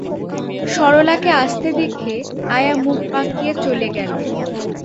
সরলাকে আসতে দেখে আয়া মুখ বাঁকিয়ে চলে গেল।